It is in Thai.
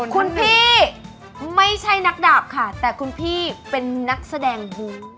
คุณพี่ไม่ใช่นักดาบค่ะแต่คุณพี่เป็นนักแสดงบู